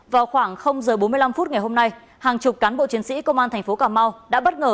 vào khoảng h bốn mươi năm phút ngày hôm nay hàng chục cán bộ chiến sĩ công an thành phố cà mau đã bất ngờ